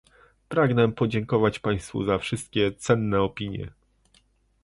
Pragnę podziękować państwu za wszystkie cenne opinie